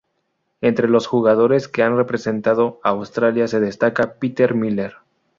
Entre los jugadores que han representado a Australia se destaca Peter Miller.